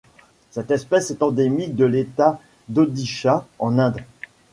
Cette espèce est endémique de l'État d'Odisha en Inde.